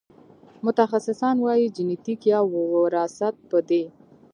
متخصصان وايي جنېتیک یا وراثت په دې